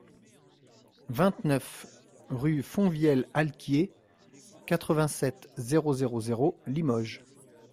vingt-neuf rue Fonvieille-Alquier, quatre-vingt-sept, zéro zéro zéro, Limoges